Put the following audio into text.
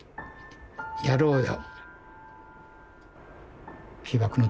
やろうよ」。